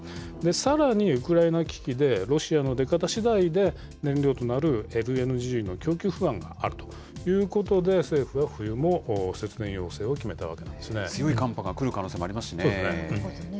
さらにウクライナ危機で、ロシアの出方しだいで、燃料となるＬＮＧの供給不安があるということで、政府は冬も節電要請を決めたわけ強い寒波が来る可能性もありそうですね。